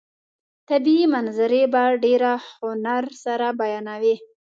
طبیعي منظرې په ډېر هنر سره بیانوي.